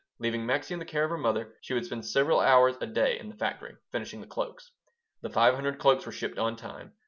Leaving Maxie in the care of her mother, she would spend several hours a day in the factory, finishing the cloaks The five hundred cloaks were shipped on time.